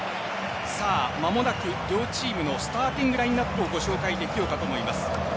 さあ間もなく両チームのスターティングラインアップをご紹介できようかと思います。